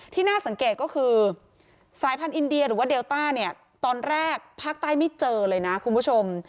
น่าสังเกตก็คือสายพันธุ์อินเดียหรือว่าเดลต้าเนี่ยตอนแรกภาคใต้ไม่เจอเลยนะคุณผู้ชม